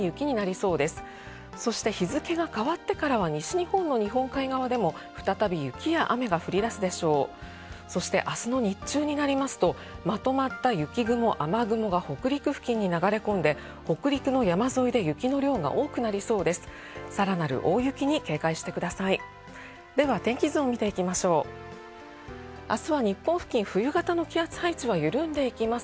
そして、明日の日中はまとまった雪雲、雨雲が北陸に流れ込んで北陸の山沿いは雪の量が多くなりそうです。